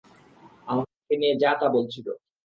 আমাকে নিয়ে যা-তা বলছিল।